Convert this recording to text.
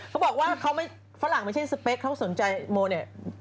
เขาบอกว่าฝรั่งไม่ใช่สเปคเค้าสนใจโมล์นี่